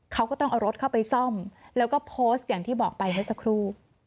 เขาก็ต้องเอารถเข้าไปซ่อมแล้วก็โพสต์อย่างที่บอกไปเมื่อสักครู่